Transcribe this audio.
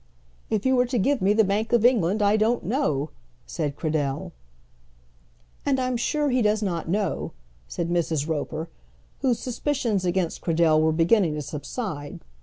"If you were to give me the Bank of England I don't know," said Cradell. "And I'm sure he does not know," said Mrs. Roper, whose suspicions against Cradell were beginning to subside.